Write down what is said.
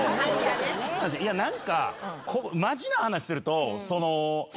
何かマジな話すると。